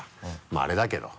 まぁあれだけど。